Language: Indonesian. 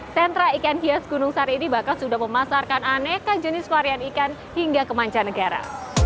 sentra ikan hias gunung sari ini bahkan sudah memasarkan aneka jenis varian ikan hingga kemanca negara